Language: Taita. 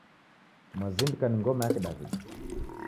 Mwazindika ni ngoma ya kidawida